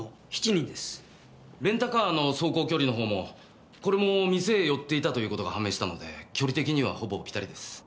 レンタカーの走行距離の方もこれも店へ寄っていたという事が判明したので距離的にはほぼピタリです。